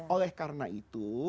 oleh karena itu